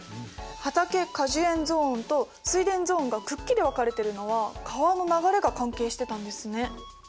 畑果樹園ゾーンと水田ゾーンがくっきり分かれてるのは川の流れが関係してたんですね。